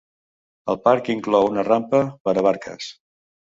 El parc inclou una rampa per a barques.